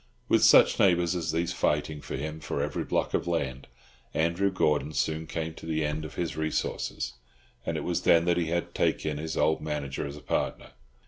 With such neighbours as these fighting him for every block of land, Andrew Gordon soon came to the end of his resources, and it was then that he had to take in his old manager as a partner.